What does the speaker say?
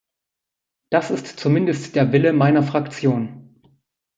Das ist zumindest der Wille meiner Fraktion.